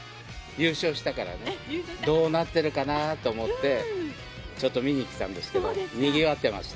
優勝したから、どうなってるかなと思って、ちょっと見に来たんですけど、にぎわってました。